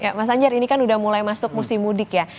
ya mas anjar ini kan udah mulai masuk musim mudik ya